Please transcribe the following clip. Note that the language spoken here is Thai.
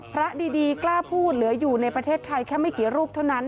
พระดีกล้าพูดเหลืออยู่ในประเทศไทยแค่ไม่กี่รูปเท่านั้น